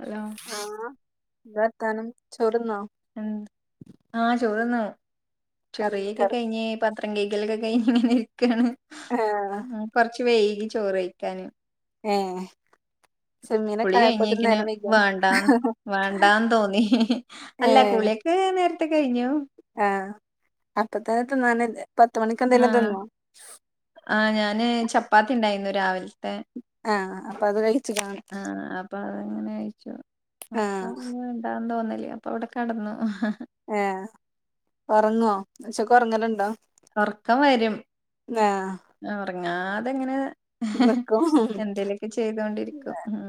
Hello ആ [unintelligible] വർത്താനം ചോറ് തിന്നോ എന്ത് ആ ചോറിന്നു കടന്ന് ചോറിയൊക്കെ കട കഴിഞ്ഞ് പത്രം കഴി കൈകലൊക്കെ കഴിഞ്ഞ് ഇങ്ങനെ ഇരിക്കയാണ് ആഹ് ഉം കൊറച്ചു വൈ ഈ ചോറ് കഴിക്കാനും ഏഹ് ചെമ്മീനൊക്കെ പുളി ആയപ്പോത്തിന് കഴിഞ്ഞക്കിന് നേരം വൈകിയോ വേണ്ട വേണ്ടാന്ന് തോന്നി ഏ അല്ല കുളിയൊക്കെ നേരത്തെ കഴിഞ്ഞു ആ അപ്പത്തത്തിന്നാ ഇ പത്ത് ക്കെന്തേലും ആഹ് തിന്നോ? ആഹ് ഞാന് ചപ്പാത്തി ഉണ്ടായിരുന്നു രാവി ആഹ് അപ്പൊ അത് കഴിച്ചിട്ടാണ് എണ്ടാന്ന് തോന്നി അല്ല അപ്പൊ അവിടെ കെടന്നു ഏ ഒറങ്ങുവോ ഉച്ചക്ക ഒറങ്ങലുണ്ടോ ഒറക്കം വരും ആഹ് അവ ങ്ങാതെങ്ങനെ- നിക്കും എന്തേലൊക്കെ ചെയ്തൊണ്ടിരിക്കും ഉ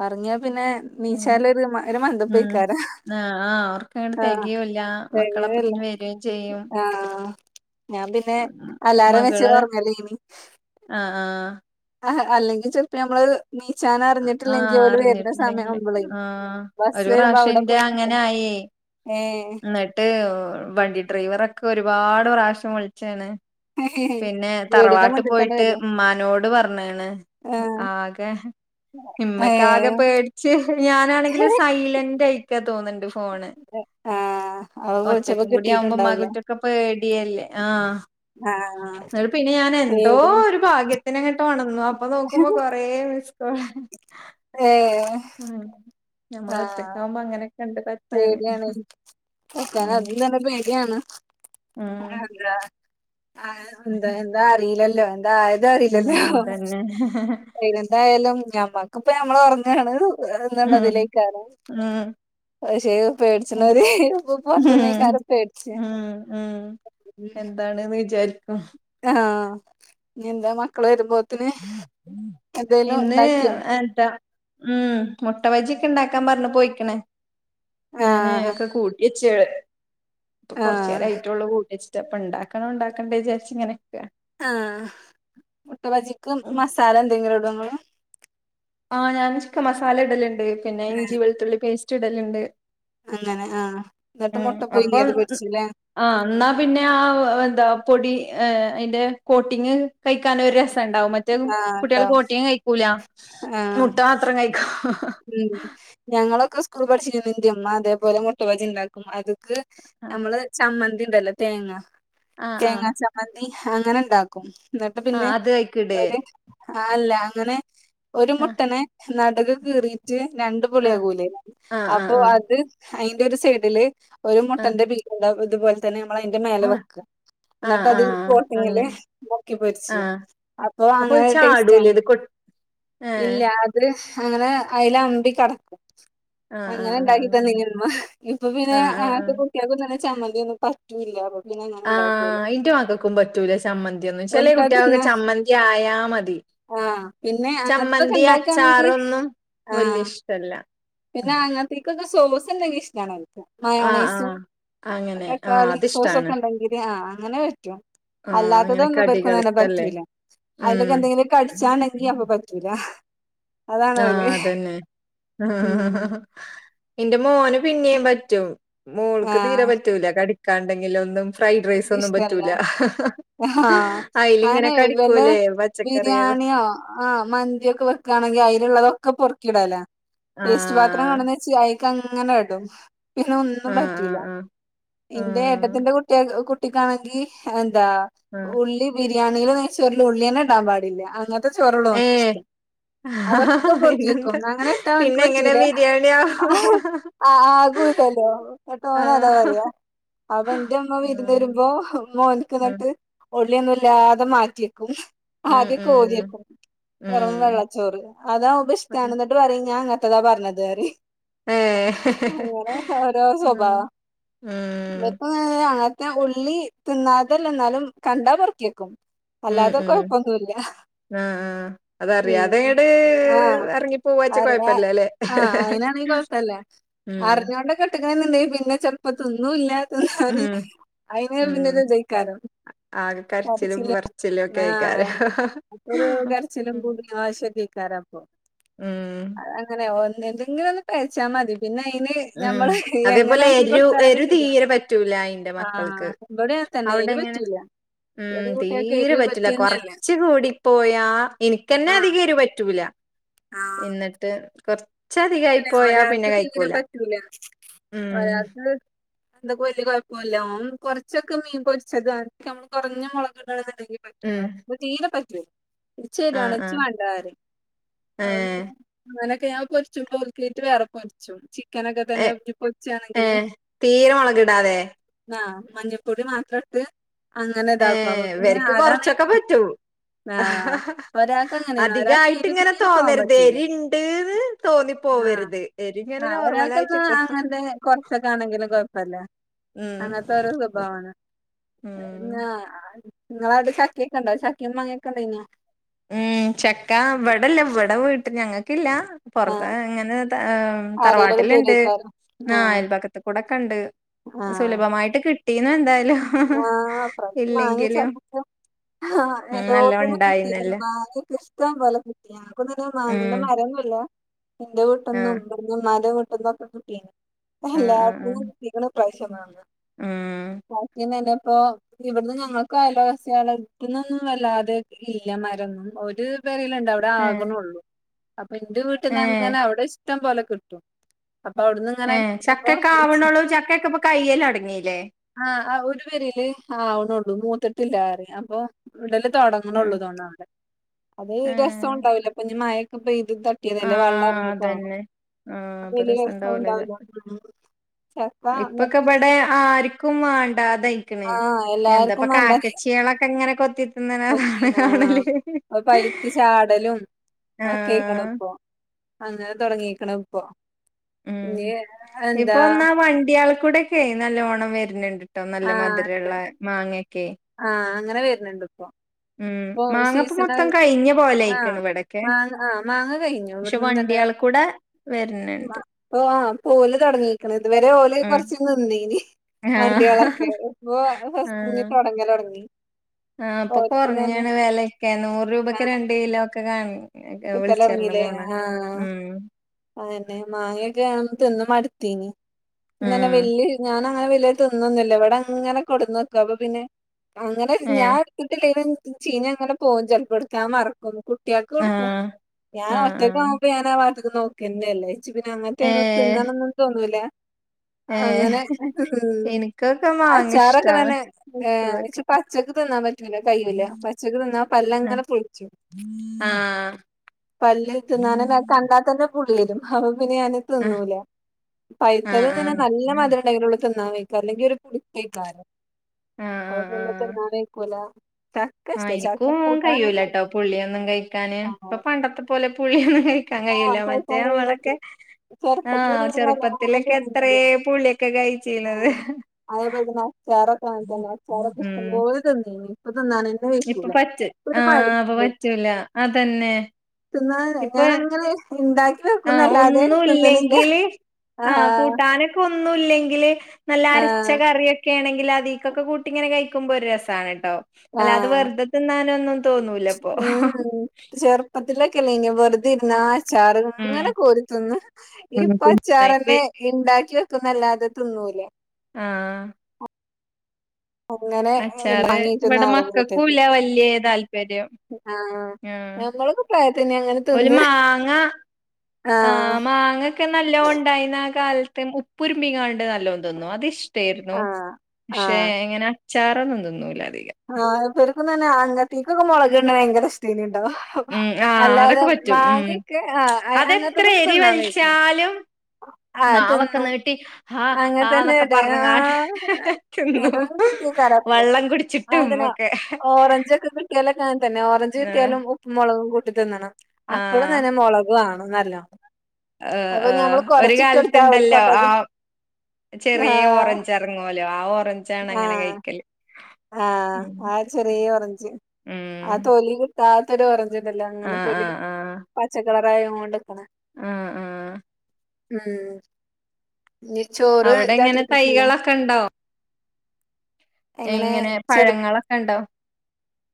പറഞ്ഞ പിന്നെ മീശേല് ഒരു ഒരു ഉം മന്ദപ്പിക്കാര ആഹ് ആഹ് ഓർക്കങ്ങട് തെകയൂല്ല ആഹങ്ങല്ല മക്കളപ്പത്തിന് വരേം ചെയ്യും ആഹ ഞാൻ പിന്നെ എല്ലാരും വെച്ച് പറഞ്ഞല്ലേ ഇനി ആ ആഹ് അഹ് അല്ലെങ്കിൽ ചെപ്പം നമ്മള് നീച്ചാന അറിഞ്ഞിട്ടില്ലെങ്കിൽ ആഹ് ഓല് വരുന്ന സമയം അറിഞ്ഞിട്ടില്ലെങ്കില് ആവുമ്പളേ ആഹ് ബസ് ഒരു വരുമ്പോ പ്രാവശ്യം അവിടെ എന്റെ പോയി അങ്ങനെ നിക്കണം ആയേ ഏ എന്നിട്ട് വണ്ടി ഡ്രൈവർ ഇതൊക്കെ ഒരുപാട് പ്രാവശ്യം വിളിച്ചാണ് പിന്നെ വീടിന്റെ തറവാട്ട് മുന്നിൽ തന്നെ പോയിട്ട് വരും ഉമ്മാനോട് പറഞ്ഞാണ് ആ ആകെ ഏ ഉമ്മക്ക ആകെ പേടിച്ച് ഞാനാണെങ്കിലും സൈലന്റ്യിക്കത് തോന്നണ്ട് ഫോണ് ആ അവ വിളിച്ചപ്പോ ഒറ്റക്കും കൂടി ആവുമ്പോ കിട്ടിട്ടുണ്ടാവൂലേ മകുറ്റൊക്കെ പേടിയല്ലേ ആ ആ എന്ന പിന്നെ ഞാൻ എന്തോ പേടി ഒരു ഭാഗ്യത്തിന അങ്ങോട്ട് ഒണം [unintelligible] അപ്പൊ നോക്കുമ്പോ കൊറേ മിസ്കോള് ഏ ഉം നമ്മള ആ ഒറ്റക്കാവക്പോ അ ഗനെ പേടിയാണ് വക്കാന ഉം അതും തെന്നെ പേടിയാണ് ഉം ആാ ആ എന്താ എന്താ അറിയില്ല അ അതായത് അറിയില്ലല്ലേ ആഹ് അതന്നെ എന്തായാലും ഞാ മക്കിപ്പ ഞമ്മള് ഒറങ്ങാണ് ഏ ഉം എന്നുള്ളതിലേക്കാണ് ഉം പക്ഷെ പേടിച്ചന ഉം ഇപ്പ പുറത്തുന്ന്ക്കാര പേടിച്ച ഉം ഉം എന്താണ്ന്ന് വിചാരിക്കും ആഹ നിന്താ മക്കൾ വരുമ്പോ ഇന്ന് എന്താ ഉം മുട്ട വജിയൊക്കെ ഉണ്ടാക്ക ക്കാ പറഞ് പോയിക്കണ് ഞാന ആഹ് ഒക്കെ കൂട്ടി േഴ് ഇപ്പൊ കൊറച്ചു ആഹ് നേരായിട്ടുള്ള കൂട്ട അപ്പൊ ഉണ്ടാക്കണ ഉണ്ടാക്കണ്ട വിചരിച്ച് ഇങ്ങനെയൊക്കെ ആഹ മുട്ട ബജിക്ക് മസാല എന്തെങ്കിലും ഇടും ആഹ ആഹ് ഞാൻ ചിക്കൻ മസാല ഇടലുണ്ട് പിന്നെ ഇഞ്ചി വേളുത്തുള്ളി ചിടലുണ്ട് അങ്ങനെ ആഹ ഉം അപ്പൊ ആഹ എന്നാ പിന്നെ ആ എന്താ പൊടി് അതിന്റെ കോട്ടിങ് കഴിക്കാന ഒരു രസംണ്ടാവും മറ്റേ ആഹ് കുട്ടികൾ ഉണ്ടാവും പോട്ടീൻ കഴിക്കൂല ആഹ് മുട്ട മാത്രം കഴി ഉം ഞങ്ങളൊ സ്കൂൾ പഠിച്ചീ നന്ന് ന്റമ്മ അതേപോല മുട്ട ബജിണ്ടാകും അത്ക്ക് നമ്മള് ചമ്മന്തി ദല്ല തേങ്ങ ആഹ് ആഹ് തേങ്ങാ ആഹ് ചംമ്മന്തി അങ്ങനെ ഇണ്ടാക്കും എന്നിട്ട് ആഹ് പിന്നെ അത് കഴിക്ക്‌ടേ ഒര് ആല്ല അങ്ങനെ ഒരു ആഹ് മുട്ടന നാടകം കീറീറ്റ് രണ്ട്പളിയാ ആഹ് കൂല ആഹ് അപ്പൊ ആഹ് അത് അയിന്റെ ഒരു സൈഡില് ഒരു ആഹ് മുട്ടന്റെ പിട ല്ലാവത് തുപോലെതന്നെ മ്മള് അയ്ന്റെ മേലെ ആഹ് വെക്ക ആഹ് എന്നിട്ട് അത് ആഹ് ആഹ് കോട്ടിങ്ങില് അങ്ങനെ മുക്കി പൊരിച്ച ആഹ് അപ്പൊ അങ്ങനെ ഇത് ചാടൂലേ ഒരുടേസ്റ്റണ് ഇത് കൊ ഏഹ് ഇല്ല അത് അങ്ങനെ അയ്ല് അമ്പികടക്കും ആഹ് അങ്ങനെ ആഹ് ണ്ടാക്കി ആഹ് തന്നിനിമ്മ ഇപ്പ പിന്നെ ആഹ് ആഹ് അങ്ങൻത്ത ആഹ് കുട്ട്യാൾക്കും തന്നെ ചമ്മന്തിയൊന്നും പറ്റൂല്ല അവ ആ ഇന്റെ മകൾക്കും പറ്റൂല ചമ്മന്തിയൊന്നും ചെല ഓൽക്കത് കുട്ടികൾക്കൊക്കെ തിന്നാ ചമ്മന്തി ആയാ മതി ആഹ് ചമ്മന്തി അച്ചാറൊന്നു ആഹ പിന്നെ അങ്ങൻത്തീക്കൊക്കെ സ് സോമോസെണ്ടങ്കി ഇഷ്ടാണത്. ആഹ് മയോണൈസും ആഹ് അങ്ങനെ ആഹ് അതൊക്കെട്ടാല് അതിഷ്ടാണ് സോസൊക്കെണ്ടിൽ ആഹ് അങ്ങനെ പറ്റും ആഹ് അങ്ങനെ അല്ലാത്തതൊന്നും ഇബൽക്കറും തന്നെ കടികൾക്കല്ലേ പറ്റൂല ഉം അയ്ലൊക്കെ എന്തെങ്കിലും കടിച്ചാണെങ്കി അപ്പൊ പറ്റൂല അതാണ് ആ ഓല് അതന്നെ ഉം ഇന്റെ മോന് പിന്നെയും പറ്റും മോൾക്ക് തീരെ ആഹ് പറ്റൂല കടി കണ്ടെങ്കിലൊന്നും ഇഷ്ടല്ല ആ അയിലിങ്ങനെ അതന്നെ വല്ല കടിക്കൂലേ പച്ചക്കറികള് ബിരിയാണിയോ ആ മന്തിയൊക്കെ വെക്കാണെങ്കി അയ് ല്ള്ളതൊക്കെ പൊർക്കിടലാ വേസ്റ്റ് പാത്രം ആഹ് ആണെന്ന് വെച്ച് അയ് ത്തങ്ങനെ എടും പിന്നെ ഒന്നും ആഹ് പറ്റീല്ല ആഹ് ആഹ് ഇന്റെ ആഹ് ഏട്ടത്തിന്റെ കു എ കുട്ടിക്കാണെങ്കി ഹെ ന്താ ആഹ് ഉള്ളി ബിരി ബിരിയാണിയിലും നെയ്‌ച്ചോറിലും ഉള്ളിയെന്നെ ഇടാൻ പാടില്ല അങ്ങൻ ൻതേ ചോറൊള്ളു ഏഹ് ഓൻക്കിഷ്ടം അതൊക്കെ കൊർച്ചേക്കും പിന്നെന്താ അങ്ങനെ ഇട്ടാ ഓൻക്ക് പിന്നെ എങ്ങനെ പറ്റൂല ആ ബിരിയാണിയാവും ആ ആകൂല്ലല്ലോ ന്നട്ടോന് അത് ആഹ് അറിയാ അവൻ മ്മ വിരുന്ന് ഉം വരുമ്പോ മോൻക്ക് ഉം ന്ന്ട്ട് ഉള്ളിയൊന്നും ഇല്ലാതെ മാറ്റിയെക്കും ഉം ആകെ ഉം കോരിയെക്കും വെറും ഉം വെള്ളച്ചോറ് അതാവുമ്പ ഇഷ്ടാണ് ന്നട്ട് പറയും ഞാൻ ഇങ്ങക്ക് മറ്റതാ പറഞ്ഞത് റി ഏഹ് അങ്ങനെ ഓരോ ഉം സ്വഭാവ ഉം വര് ഏ അങ്ങനത്തെ ഉള്ളി തിന്നാതല്ല എന്നാലും കണ്ടാ പൊറക്കിയേക്കും ഉം അല്ലാതെ ഉം കൊഴപ്പൊന്നുല്ല ആഹ് ആഹ് അതറിയാതെങ്ങട് ഹ് ആ എറങ്ങി പോവാച്ച ആര് ആ കൊഴപ്പല്ലല്ലേ ആ അങ്ങനെയാണെങ്കി കൊഴപ്പുല്ല ഉം അറിഞ്ഞോണ്ട് കെട്ടിക്കണേന്നിണ്ടെങ്കി പിന്നെ ചെ ഇപ്പതിന്നുല്ല ഹ ഉം ഹഅതിന് അയിന് പിന്നെ ഉം ഇത് യ്ക്കാര്യം ആകെ കരച്ചിലും കരച്ചില് പറച്ചിലും ഒക്കെ അ ആയിക്കാരം ഒരു കരച്ചിലും ഉം പിടിവാശി ഒക്കെ കറ പോ ഉം അത് അങ്ങനെയാ ഓൽ എന്തെങ്കിലും ഒന്ന് കഴച്ചാ മതി പിന്നെ ഇനി ഉം ഞമ്മള് ഹ് എങ്ങനെ ആക്കി കൊടുത്താലും ശരിയാ റ്റൂല്ല എയ്ന്റെ മക്കൾക്ക് ആഹ് ഇബടിം അങ്ങൻ തന്നെ എരു അവിടെങ്ങനെ പറ്റൂല ഉം ഇബടിം കുട്ട്യാക്ക് തീരെ എരു പറ്റില്ല പറ്റന്നെല്ല കൊറച്ച് കൂടി പോയാ എനിക്കന്നെ ആഹ് അധികം എരിവ് പറ്റു വുല ആഹ് എന്നട്ട് കൊറ ചതി ആയി അങ്ങനെ പോയാ പിന്നെ ഒരാൾക്ക് തീരെ കഴിക്കൂല പറ്റൂല ഉം ഒരാക്ക് ഇതൊക്കെ വല്യ കൊയപ്പുല്ല കൊറച്ചൊക്കെ മീൻ പൊരിച്ചത് ആരിക്കാ നമ്മള് കുറഞ്ഞ മുളകിടണത് ഉം തീരെ പ തെ ആഹ് തിരിച്ചുതരുവാണച്ചി ആഹ് വേണ്ടാരേം ഏഹ് ഏയാ പെരി ചുമ്മ ഓൽക്കായിട്ട് വെറെ പൊരിച്ചു കനകെതന്നെ ഏഹ് ഇജ്പ്പൊച്ചാണെങ്കിൽ ഏഹ് തീരെ മൊളകിടാതെ ആ മഞ്ഞപ്പൊടി മാത്രട്ട് ഏ വര്ക്ക് കൊർച്ചൊക്കെ പറ്റും ആ ഹ ഹ ഒരാൾക്ക് അങ്ങനെയാണ് ഒരാൾക്ക് എരു അതികായിട്ടിങനെ തീരെ പോകാൻ തോന്നര്ത് പറ്റൂല എരിഢീന്ന് തോ ആ ആ ഒരാൾക്ക്ന്നാ നോർമലായിട്ട്ക്ക അങൻത്തെ കൊർച്ചൊക്കാണെകിലും കൊയപ്പ പല ഉം അങ്ങൻത്തോരോ സ്വഭാവാണ് ഉം ങാ ങളെ നാട്ടീ ചക്കൊക്ക ണ്ടോ ച ചക്കി മാങ്ങക്കൊണ്ടായിരുന്നോ ഉം ചക്ക ഇവടല്ല ഇവടെ വീട്ടി ഞങക്കില്ലാ ആ ആരേലൊക്കെ തറവാട്ടിലിണ്ട് തരുവായിരിക്കും ആ അയൽപക്കത്ത്ക്കൂടൊക്കെ ണ്ട് ആ സുലഭമായിട്ട് കി മീനന്തെ കിട്ടി ആ അപ്രാശ്യം മാങി ച ക്ക ഉം നല്ലോം എല്ലോട്ത്ത്ന്നും കിട്ടിക്ക്ണ് ഉണ്ടായിന്നല്ലേ മാങ്ങൊക്കെ ഇഷ്ടം പോലെ കിട്ടീണ് ക്കൊന്നും ഉം മാങൻ്റെ മരൊന്നുല്ല എൻ്റെ ആഹ് വീട്ട്ന്നുംഇവട്ന്ന് മ്മാൻ്റെ വീ ന്നൊക്കെ കിട്ടീണ് എല്ലോട്ത്ത് ന്നും കിട്ടിക്ക്ണ് പൈസ വാങ്ങ എം ബാക്കി നിന്നപ്പോ ഇവട്ന്ന് ഞങ്ങൾക്ക് അയൽവാസ്യളടുത്ത്ന്നുന്നും വല്ലാതെ ഇല്ല മരം ഒരു വരലുണ്ടവിടെ ഏഹ് ആക്ണൊലൂ അപ്പ ഇൻ്റ ഏഹ് വീട്ട്ന്നങനെ അവിടെ ഇട്ടം പോലെ കിട്ടും അപ്പൊ അവിടുന്ന് ഇങ്ങനെ ഏ കിട്ടുമ്പോ ചക്കൊക്കെ ഇച്ചി- ആവ്ണൊല്ലൂ ചക്കെയൊക്കെപ്പൊ കയ്യലൊട്ങീലെ ആ ആ ഒരു പെരീല് ആവ്ണൊല്ലൂ മൂത്തിട്ടില്ലാർഞ്ഞി അപ്പോ ഒടങ്ങണൊല്ലൂ ഉം തോന്നൗടെ അത് ഏഹ് രസൂടാവില്യപ്പിഞ്ഞി മയ [unintelligible] ഇ തട്ടിയതല്ലെ ആഹ് വള്ളർങി പാവം അതന്നെ ആഹ് അപ്പൊ രസണ്ടാവൂല ചക്ക ഇപ്പൊക്കെ ഇബടെ ആർക്കും ടാതായിക്ക്ണ് ആഹ് എദ്ധപ്പ എല്ലാർക്കും വേണ്ടതേ കാക്കച്യലൊക്കെങനെകൊത്തിതിന്ന്ണ കൊത്തിന കാണല് അത് പഴുത്ത് ചാടലും ആ ഒക്കെ ആയിക്കണ് ഇപ്പൊ അങ്ങനെ തൊടങ്ങീക്ക്ണുപ്പൊ ഉം ഇപ്പൊ ഒന്നാ വണ്ടി ആൾ ഇവടൊക്കെ നല്ലോണം വര്ണ്ഢ് ട്ടോ നല്ല മധുരമ ഉുള്ള മാങ്ങ ആഹ അങ്ങനെ വരുന്നുണ്ടണ്ട് ഉം മാങ്ങപ്പ സീസൺ മൊത്തം കഴിഞ്ഞ പോലെ ആഹ ആയിക്കണ് ഇവിടൊക്കെ മാങ്ങ ആ് മാങ്ങ കഴിഞ്ഞു പക്ഷെ ഇവിടുന്ന് തന്നെ വണ്ടിയാൾക്കൂടെ വരുന്നുണ്ട് ആഹ് ഓല് തുടങ്ങിക്കണ ഇതുവരെ ഓല ഉം കൊറച്ച നിന്നന് ആഹ് വണ്ടികളൊക്കെ ഇ ഫറ്റ് ഇറങ്ങി ആ അപ്പൊ കുറഞ്ഞാണ് വിലയൊക്കെ നൂറ് രൂപയ്ക്ക് രണ്ട് കിലോ ഒക്കെ കാണ വിളിച്ചറിഞ്ഞ കിട്ടലൊടങ്ങീല്ലേ പോണ ഉം അന്നെ മാങ്ങയൊക്കെ ആുമ്പ തന്ന മടുത്തീനി ഇന്നനെ ഉം വല്യ ഞാന അങ്ങനെ വിലൽ തിന്നില്ല ഇവിടെ അങ്ങനെ കൊടുന്ന് നോക്കും അപ്പൊ പിന്നെ അങ്ങനെ ഏ ഞാൻ എടുത്തിട്ടില്ലേന ചീന അങ്ങനെ പോകും ചിലപ്പെടുക്കാൻ മറക്കും കുട്ടിയക്ക് കൊടുക്കും ആഹ് ഞ ആഹ് വറ്റക്ക ആഹ് പ നാ വ ക്ക് നോക്കെന്നേ ല്ലേ. ച്ച് പിന്നെ അങ്ങൻത്തെ ഒന്നും ഏഹ് തിന്നണം ന്നും തോന്നൂലാ ഏഹ് അങ്ങനെ ഉം എനിക്കൊക്കെ മാങ്ങ അച്ചാറൊക്കെ ഇഷ്ടാണ് തന്നെ ഏഹ് പഴുത്തതൊക്കെ ഇച്ച് പച്ചക്ക് തിന്നാൻ പറ്റൂല കൈയൂല്ല. പച്ചക്ക് തിന്നാ ആഹ് പല്ലങ്ങനെ പുൾച്ചും. ആഹ് പല്ല് തിന്നാനന്നെ അത് കണ്ടാത്തന്നെ. പുള്ള്യരും ഹഹ് പിന്നെ ഞാൻ ആഹ് തിന്നൂല്ല ആഹ് പയിത്തത് ആഹ് തിന്നാൻ ആഹ് നല്ല മധുരണ്ടായിതിനുള്ളില് തിന്നാ വെക്കാ അല്ലെങ്കി ഒരു പുളിപ്പേക്കാരം അവർ ആഹ് ആഹ് [unintelligible] ക്കൂല ആഹ് എനിക്കും കഴിയൂലട്ടോ പുളിയൊന്നും കഴിക്കാന് ഇപ്പ ഇഷ്ടാണ്. പണ്ടത്തെ പോലെ പുളിയൊന്നും കഴിക്കാൻ ആ കഴിയില്ല മറ്റേ കഴിക്കാൻ കഴിയണ നമ്മളൊക്കെ ആഹ് ചെറുപ്പത്തിലൊക്കെ ഞങ്ങൾ നല്ലോണം ചെറുപ്പത്തിലൊക്കെ എത്രേ തിന്നിരുന്നില്ല പുഴിക്കെ ആ, കഴിച്ചീനത് അതേപോലെ തന്നെ അച്ചാറൊക്കെ അങ്ങനെ തന്നെ അച്ചാറൊക്കെ ഉം ഇഷ്ടംപോലെ തിന്നിരുന്നു ഇപ്പൊ തിന്നാൻ തന്നെ ഇപ്പൊ വയ്ക്കൂല പച്ച ആഹ് ഇപ്പൊ പറ്റൂല അതന്നെ പിന്ന ഇപ്പൊ ഞാനങ്ങനെ ആഹ് ഒന്നല്ലെങ്കില് ആ ആഹ് കൂട്ടാനൊക്കെ ഒന്നുംല്ലെങ്കില് നല്ല ആ അരച്ച കറിയൊക്കെ ക്കെയണെങ്കില് അതീക്കൊക്കെ കൂട്ടിങ്ങനെ കഴുമ്പോ ഒരു രസാണ് ആ അല്ലാതെ വെറുതെ തിന്നാനൊന്നും തോന്നൂലപ്പൊ ക്കില്ല വെറുതെരുന്നാൽ അച്ചാറ് ഉം ഇങ്ങനെ കോരിത്ത്ന്ന് ഇപ്പൊ ഉം നെയ്പ് അച്ചാറെന്നെ ഇണ്ടാക്കി വെ ക്ക്ന്നല്ലാതെ തിന്നൂല ആഹ് അങ്ങനെ അച്ചാറ് വാങ്ങിക്കുന്ന ഇവിടെ ആറുമൂട്ടക്ക് മക്കക്കുല്ല വല്യയ താല്പര്യം ആഹ് ഉം ഞമ്മളൊക്കെ പ്രായത്തിന് അങ്ങനെ ഒരു തിന്ന് മാങ്ങ ആഹ ആഹ് മാങ്ങക്കെ നല്ലോം ഇണ്ടായി കാൽത്തെ ഉപ്പുരുമിങ്ങാണ്ട് ന ല്ലോം തിന്നു അതിഷ്ടായിരുന്നു ആഹ് പക്ഷെ എങ്ങനെ അ ചാറോന്നും തിന്നൂല്ല ആഹ എന്തൊരു അതന്നെ അങ്ങത്തീക്കക്കെ മുളകുകണ്ട ഭയങ്കര ഇഷ്ടേനിണ്ട് ഉം ആ അതൊക്കെ പറ്റും ഉം മാങ്ങയൊക്കെ ആഹ് അതെത്ര അങ്ങനത്തതൊക്കെ എരി തിന്നാൻ വയ്ക്കും വലിച്ചാലും ആഹ് നാവൊക്കെ തിന്നും നീട്ടി ആ അങ്ങനെ തന്നെ ആന്നൊക്കെ ഇടെ പറഞ്ഞ്ങ്ങാണ്ട് ആഹ് തിന്നും വെള്ളം കുടിച്ചി അതങ്ങനാ ഓറഞ്ചൊക്കെ കിട്ടിയാല് [unintelligible] തന്നെ ഓറഞ്ച് ഏഹ് കിട്ടിയാലും ഉപ്പും മുളകും കൂ ഇ തിന്നണം അപ്പഴും തന്നെ മുളക് വാ നല്ലോം ഹ ആ ഒരു കാലത്തുണ്ടല്ലോ അവർക്കപ്പ ആ അത് ചെറിയ ആഹ് ഓറഞ്ച് ഇറങ്ങുവ ലാ ഓ ഓറഞ്ചാണ് അങ്ങനെ കഴിക്കല് ആഹ ഉം ആ ചെറിയ ഓറഞ്ച് ആ ഉം തോലി താത്തൊരു ഓറഞ്ചു ആഹ് അങ്ങനെത്തോൽ പച്ച- പ്രായം [unintelligible] ക്കണം ആഹ ആഹ ഉം ഇനി ചോറ് അവിടെ എങ്ങനെ രാത്രിക്കക്കില്ലേ തൈകളൊക്കെ ഇണ്ടോ എങ്ങനെ ചെർത്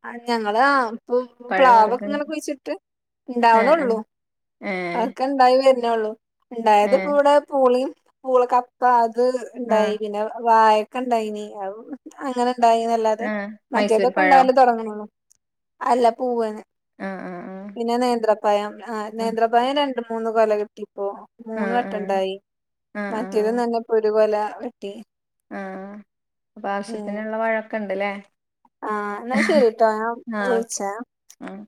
ആ ഞങ്ങളാ ഇപ്പൊ പ്ലാവൊക്കെ ങ്ങനെ പഴവർഗ്ഗങ്ങൾ കുഴിച്ചിട്ട് ഏഹ് ഏഹ് ഇണ്ടാവ്ണള്ളൂ ഏഹ് അതൊക്കെ ഇണ്ടായി തന്നെ ഉള്ളൂ ഇണ്ടായത് ഇപ്പ ഏഹ് ഇവിടെ പൂളി പൂള കപ്പ അ അത് ഇണ്ടായി ആഹ് പിന്നെ വായ ക്കണ്ടായിന അങ്ങനെ ഉണ്ടായിന്നല്ലാതെ ആഹ് മൈസൂർ മറ്റേതൊക്കെ പഴോ ഉണ്ടായാലും തുടങ്ങണള്ളോ അല്ല പൂവന് ആഹ് പിന്നെ നേന്ത്ര പയം ആ ആഹ് നേന്ത്രപയം രണ്ടു മൂന്നു കൊല കിട്ടി അപ്പ മൂന്ന് ആഹ് വട്ടം ആഹ് ഉണ്ടായി ആഹ് മറ്റേത് നന്നെ പൊ ഒരു കൊല വെട്ടി ആ അപ്പൊ ഉം ആവശ്യത്തിനുള്ള വാഴക്കുണ്ട് ണ്ടല്ലേ ആ എന്നാ ശരി ട്ടോ ഞാൻ ആഹ് ഓക്കെ വിളിച്ചേ ആഹ്